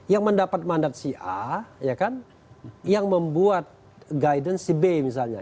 yang mendapat mandat si a yang membuat guidance si b misalnya